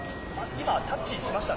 今、タッチしましたね。